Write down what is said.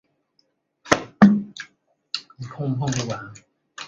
塞提一世。